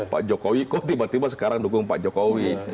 pak jokowi kok tiba tiba sekarang dukung pak jokowi